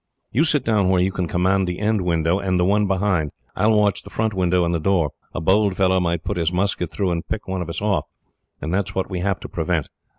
"You sit down where you can command the end window, and the one behind I will watch the front window and door. A bold fellow might put his musket through, and pick one of us off, and that is what we have to prevent.